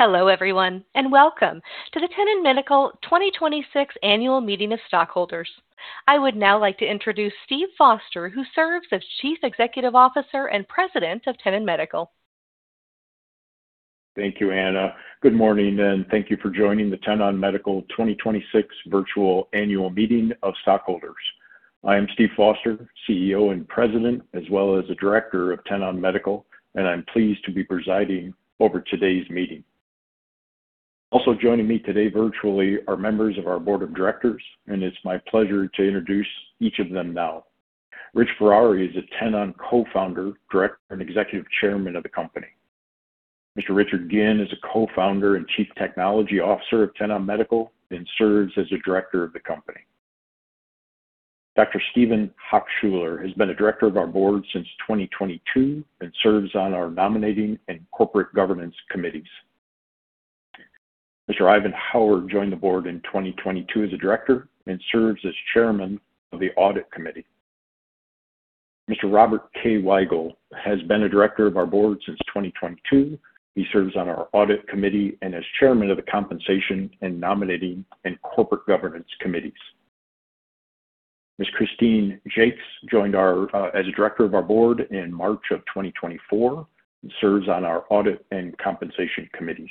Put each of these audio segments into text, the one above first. Hello everyone, and welcome to the Tenon Medical 2026 Annual Meeting of Stockholders. I would now like to introduce Steve Foster, who serves as Chief Executive Officer and President of Tenon Medical. Thank you, Anna. Good morning, and thank you for joining the Tenon Medical 2026 Virtual Annual Meeting of Stockholders. I am Steve Foster, CEO and President, as well as a Director of Tenon Medical, and I am pleased to be presiding over today's meeting. Also joining me today virtually are members of our board of directors, and it is my pleasure to introduce each of them now. Rich Ferrari is a Tenon co-founder, director, and Executive Chairman of the company. Mr. Richard Ginn is a co-founder and Chief Technology Officer of Tenon Medical and serves as a director of the company. Dr. Stephen Hochschuler has been a director of our board since 2022 and serves on our nominating and corporate governance committees. Mr. Ivan Howard joined the board in 2022 as a director and serves as chairman of the audit committee. Mr. Robert K. Weigle has been a director of our board since 2022. He serves on our audit committee and as chairman of the compensation and nominating and corporate governance committees. Ms. Kristine Jacques joined as a director of our board in March of 2024 and serves on our audit and compensation committees.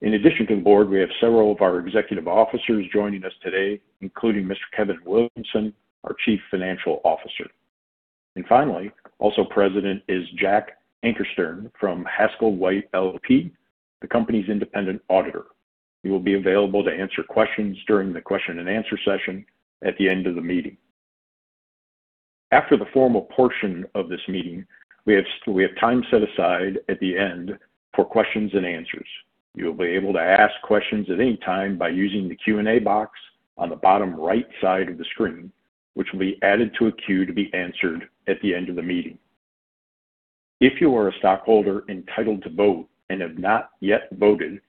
In addition to the board, we have several of our executive officers joining us today, including Mr. Kevin Williamson, our Chief Financial Officer. Finally, also present is Jack Ankerstjerne from Haskell & White LLP, the company's independent auditor. He will be available to answer questions during the question and answer session at the end of the meeting. After the formal portion of this meeting, we have time set aside at the end for questions and answers. You will be able to ask questions at any time by using the Q&A box on the bottom right side of the screen, which will be added to a queue to be answered at the end of the meeting. If you are a stockholder entitled to vote and have not yet voted,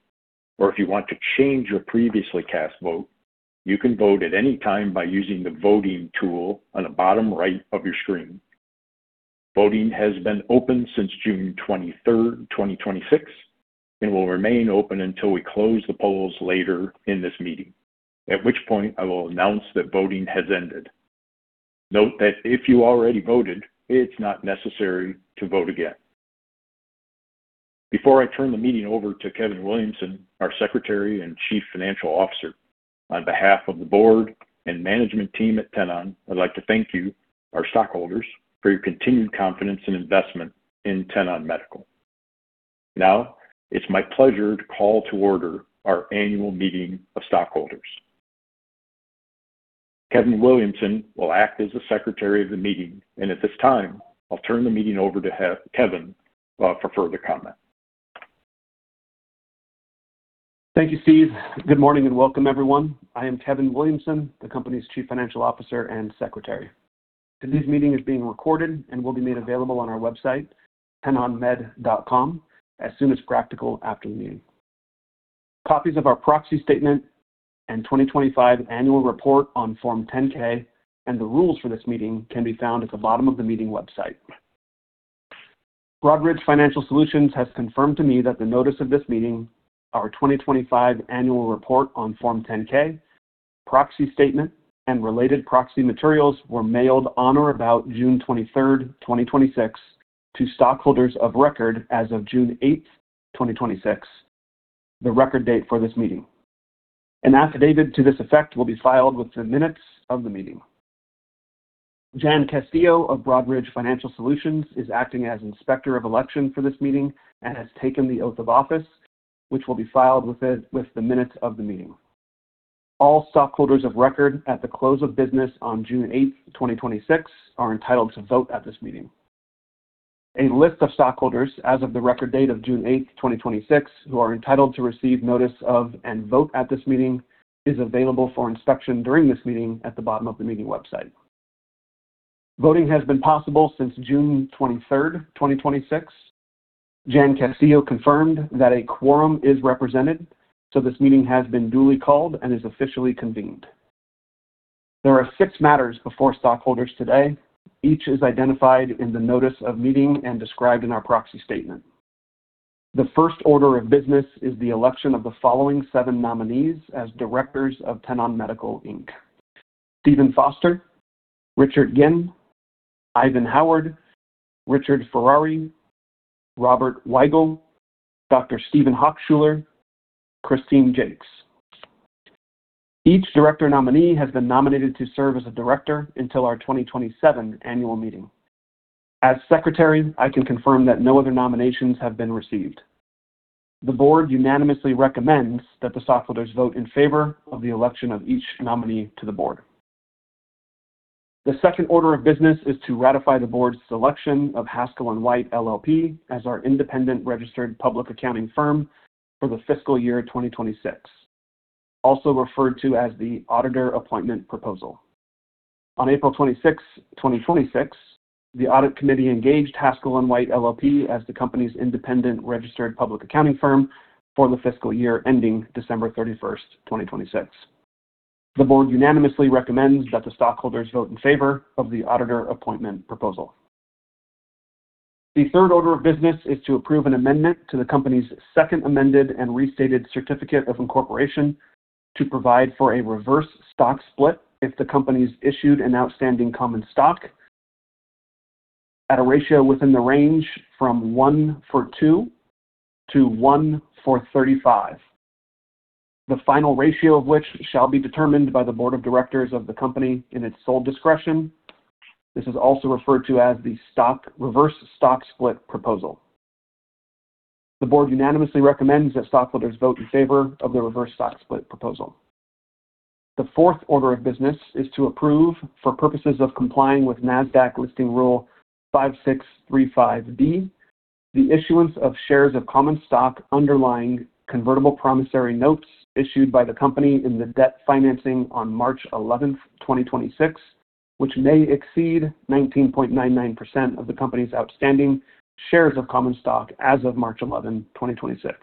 or if you want to change your previously cast vote, you can vote at any time by using the voting tool on the bottom right of your screen. Voting has been open since June 23rd, 2026, and will remain open until we close the polls later in this meeting, at which point I will announce that voting has ended. Note that if you already voted, it is not necessary to vote again. Before I turn the meeting over to Kevin Williamson, our Secretary and Chief Financial Officer, on behalf of the board and management team at Tenon, I'd like to thank you, our stockholders, for your continued confidence and investment in Tenon Medical. Now, it's my pleasure to call to order our annual meeting of stockholders. Kevin Williamson will act as the secretary of the meeting, and at this time, I'll turn the meeting over to Kevin for further comment. Thank you, Steve. Good morning and welcome everyone. I am Kevin Williamson, the company's Chief Financial Officer and Secretary. Today's meeting is being recorded and will be made available on our website, tenonmed.com, as soon as practical after the meeting. Copies of our proxy statement and 2025 annual report on Form 10-K and the rules for this meeting can be found at the bottom of the meeting website. Broadridge Financial Solutions has confirmed to me that the notice of this meeting, our 2025 annual report on Form 10-K, proxy statement, and related proxy materials were mailed on or about June 23rd, 2026 to stockholders of record as of June 8th, 2026, the record date for this meeting. An affidavit to this effect will be filed with the minutes of the meeting. Jan Castillo of Broadridge Financial Solutions is acting as Inspector of Election for this meeting and has taken the oath of office, which will be filed with the minutes of the meeting. All stockholders of record at the close of business on June 8th, 2026, are entitled to vote at this meeting. A list of stockholders as of the record date of June 8th, 2026, who are entitled to receive notice of and vote at this meeting is available for inspection during this meeting at the bottom of the meeting website. Voting has been possible since June 23rd, 2026. Jan Castillo confirmed that a quorum is represented, so this meeting has been duly called and is officially convened. There are six matters before stockholders today. Each is identified in the notice of meeting and described in our proxy statement. The first order of business is the election of the following seven nominees as directors of Tenon Medical, Inc. Steve Foster, Richard Ginn, Ivan Howard, Richard Ferrari, Robert Weigle, Dr. Stephen Hochschuler, Kristine Jacques. Each director nominee has been nominated to serve as a director until our 2027 annual meeting. As secretary, I can confirm that no other nominations have been received. The board unanimously recommends that the stockholders vote in favor of the election of each nominee to the board. The second order of business is to ratify the board's selection of Haskell & White LLP as our independent registered public accounting firm for the fiscal year 2026, also referred to as the auditor appointment proposal. On April 26th, 2026, the audit committee engaged Haskell & White LLP as the company's independent registered public accounting firm for the fiscal year ending December 31st, 2026. The board unanimously recommends that the stockholders vote in favor of the auditor appointment proposal. The third order of business is to approve an amendment to the company's second amended and restated certificate of incorporation to provide for a reverse stock split if the company's issued an outstanding common stock at a ratio within the range from one for 2:1 for 35. The final ratio of which shall be determined by the board of directors of the company in its sole discretion. This is also referred to as the reverse stock split proposal. The board unanimously recommends that stockholders vote in favor of the reverse stock split proposal. The fourth order of business is to approve, for purposes of complying with Nasdaq Listing Rule 5635(b), the issuance of shares of common stock underlying convertible promissory notes issued by the company in the debt financing on March 11th, 2026, which may exceed 19.99% of the company's outstanding shares of common stock as of March 11, 2026.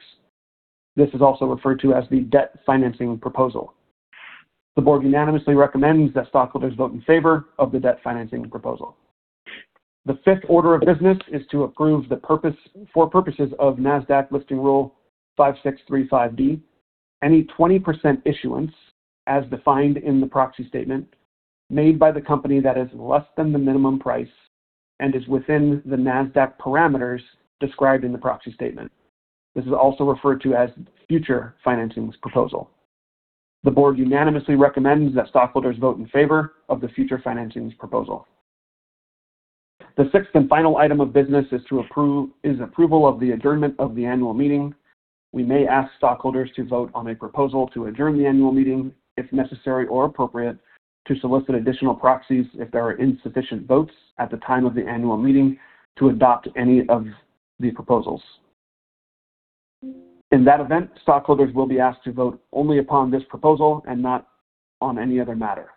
This is also referred to as the debt financing proposal. The board unanimously recommends that stockholders vote in favor of the debt financing proposal. The fifth order of business is to approve, for purposes of Nasdaq Listing Rule 5635(b), any 20% issuance, as defined in the proxy statement, made by the company that is less than the minimum price and is within the Nasdaq parameters described in the proxy statement. This is also referred to as future financings proposal. The board unanimously recommends that stockholders vote in favor of the future financings proposal. The sixth and final item of business is approval of the adjournment of the annual meeting. We may ask stockholders to vote on a proposal to adjourn the annual meeting, if necessary or appropriate, to solicit additional proxies if there are insufficient votes at the time of the annual meeting to adopt any of the proposals. In that event, stockholders will be asked to vote only upon this proposal and not on any other matter.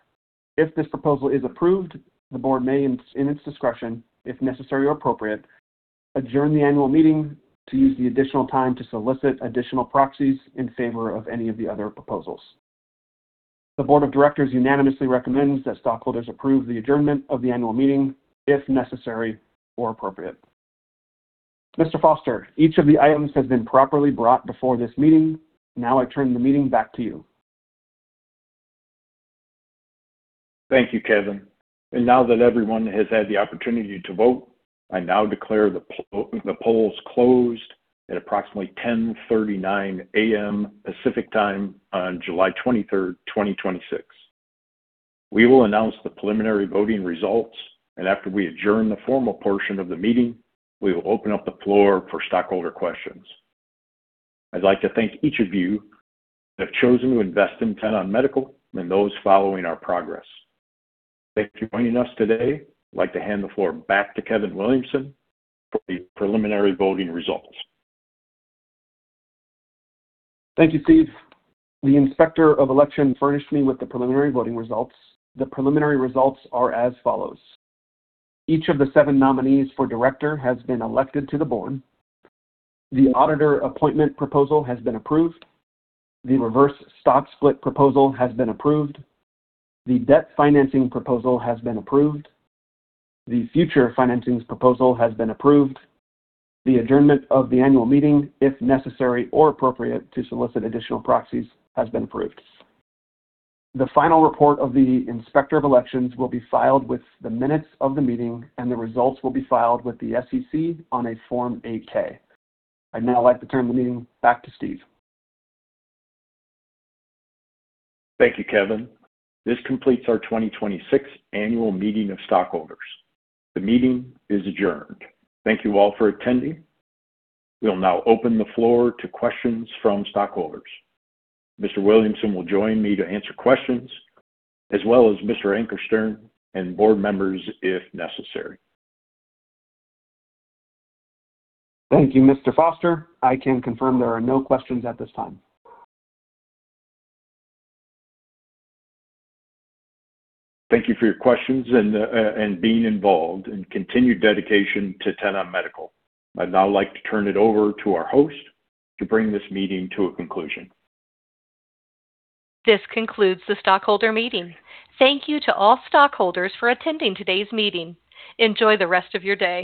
If this proposal is approved, the board may, in its discretion, if necessary or appropriate, adjourn the annual meeting to use the additional time to solicit additional proxies in favor of any of the other proposals. The board of directors unanimously recommends that stockholders approve the adjournment of the annual meeting if necessary or appropriate. Mr. Foster, each of the items has been properly brought before this meeting. Now I turn the meeting back to you. Thank you, Kevin. Now that everyone has had the opportunity to vote, I now declare the polls closed at approximately 10:39 A.M. Pacific Time on July 23rd, 2026. We will announce the preliminary voting results, and after we adjourn the formal portion of the meeting, we will open up the floor for stockholder questions. I'd like to thank each of you that have chosen to invest in Tenon Medical and those following our progress. Thank you for joining us today. I'd like to hand the floor back to Kevin Williamson for the preliminary voting results. Thank you, Steve. The Inspector of Election furnished me with the preliminary voting results. The preliminary results are as follows. Each of the seven nominees for director has been elected to the board. The auditor appointment proposal has been approved. The reverse stock split proposal has been approved. The debt financing proposal has been approved. The future financings proposal has been approved. The adjournment of the annual meeting, if necessary or appropriate to solicit additional proxies, has been approved. The final report of the Inspector of Elections will be filed with the minutes of the meeting, and the results will be filed with the SEC on a Form 8-K. I'd now like to turn the meeting back to Steve. Thank you, Kevin. This completes our 2026 annual meeting of stockholders. The meeting is adjourned. Thank you all for attending. We'll now open the floor to questions from stockholders. Mr. Williamson will join me to answer questions, as well as Mr. Ankerstjerne and board members if necessary. Thank you, Mr. Foster. I can confirm there are no questions at this time. Thank you for your questions and being involved and continued dedication to Tenon Medical. I'd now like to turn it over to our host to bring this meeting to a conclusion. This concludes the stockholder meeting. Thank you to all stockholders for attending today's meeting. Enjoy the rest of your day.